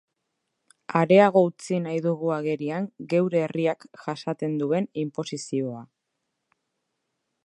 Areago utzi nahi dugu agerian geure herriak jasaten duen inposizioa.